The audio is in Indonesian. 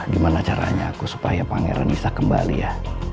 gimana caranya aku supaya pangeran bisa kembali ya